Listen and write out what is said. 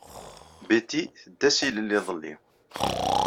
Betty tedda s ilel iḍelli.